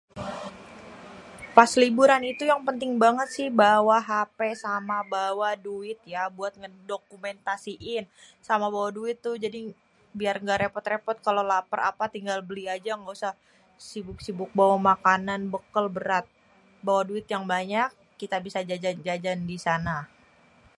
Pas liburan itu yang penting banget bawa hapé sama bawa duit ya buat ngedokumentasiin sama bawa duit tuh jadi biar gak repot-repot kalo laper apa tinggal beli aja. Gak usah sibuk-sibuk bawa makanan bekel, berat. Bawa duit yang banyak kita bisa jajan-jajan di sana.